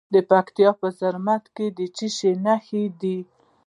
د پکتیا په زرمت کې د څه شي نښې دي؟